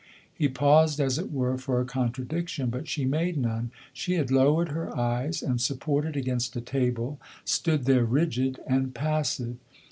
He paused, as it were, for a contradiction, but she made none ; she had lowered her eyes and, supported against a table, stood there rigid and passive.